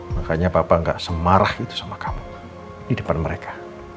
makanya bapak gak semarah itu sama kamu di depan mereka